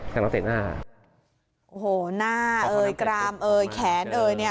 กำลังใส่หน้าโอ้โหหน้าเอ่ยกรามเอ่ยแขนเอ่ยเนี้ย